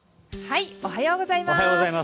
おはようございます。